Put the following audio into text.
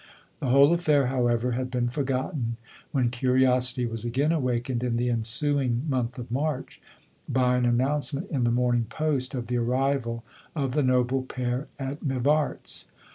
The whole affair, however, had been forgotten, when curiosity was again awakened in the ensuing month of March, by an announcement in the Morning Post, of the arrival of the noble pair at Mivarfs.